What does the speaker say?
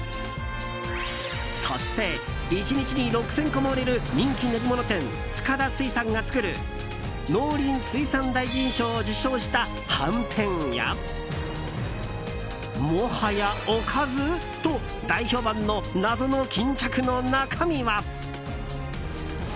そして１日に６０００個も売れる人気練りもの店、塚田水産が作る農林水産大臣賞を受賞したはんぺんやもはや、おかず？と大評判の謎の巾着の中身は。